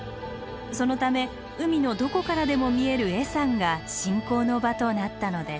そのため海のどこからでも見える恵山が信仰の場となったのです。